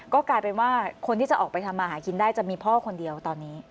ก็กลายเป็นว่าคนที่จะออกไปทำมาหากินได้จะมีพ่อคนเดียวตอนนี้